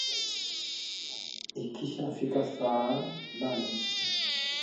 Ikishafika saa nane